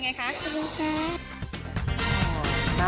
อย่างไรคะ